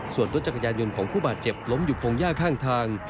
ส่วนรถจักรยานยนต์ของผู้บาดเจ็บล้มอยู่พงหญ้าข้างทาง